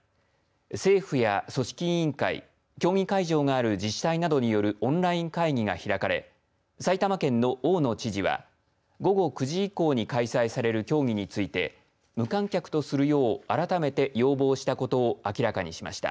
政府や組織委員会競技会場がある自治体などによるオンライン会議が開かれ埼玉県の大野知事は午後９時以降に開催される競技について無観客とするよう、改めて要望したことを明らかにしました。